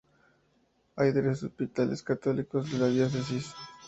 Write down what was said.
Hay tres hospitales católicos de la diócesis.